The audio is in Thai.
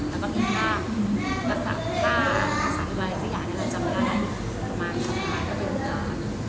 แล้วก็เป็นค่าทักษะทุกท่าสังเวศียาที่เราจำได้ประมาณ๒ล้านเป็นโครงการ